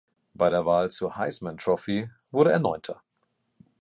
Bei der Wahl zur Heisman Trophy wurde er Neunter.